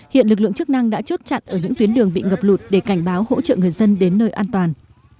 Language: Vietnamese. hiện lực lượng chức năng đã chốt chặn ở những tuyến đường bị ngập lụt để cảnh báo hỗ trợ người dân đến nơi an toàn